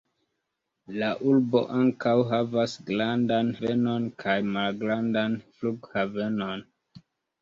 La urbo ankaŭ havas grandan havenon kaj malgrandan flughavenon.